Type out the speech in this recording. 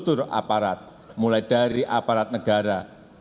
kultur aparat mulai dari aparat negara